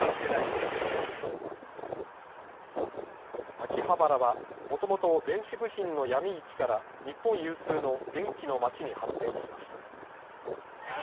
秋葉原はもともと電子部品の闇市から日本有数の電気の街に発展しました。